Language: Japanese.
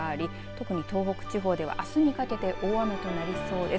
特に東北地方ではあすにかけて大雨となりそうです。